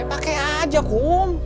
pakai aja kum